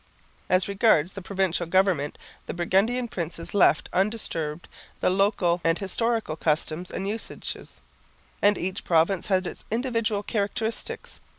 As regards the provincial government the Burgundian princes left undisturbed the local and historical customs and usages, and each province had its individual characteristics.